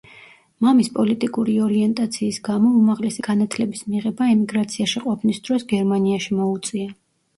მამის პოლიტიკური ორიენტაციის გამო უმაღლესი განათლების მიღება ემიგრაციაში ყოფნის დროს გერმანიაში მოუწია.